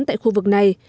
tại khu vực này